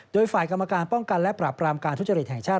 โดยฝ่ายกรรมการป้องกันและปราบรามการทุจริตแห่งชาติ